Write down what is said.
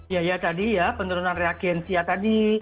ya ya tadi ya penurunan reagensi ya tadi